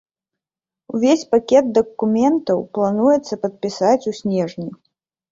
Увесь пакет дакументаў плануецца падпісаць у снежні.